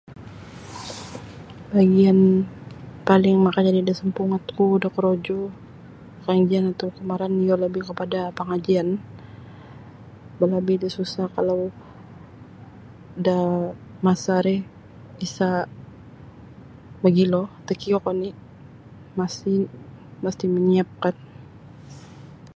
Bagian paling makajadi da sampungat ku da korojo [unintelligible] kagamaran kalau iyo labih kepada pangajian balabi da susah kalau da masa ri isa mogilo takiuk oni masti manyiapkan.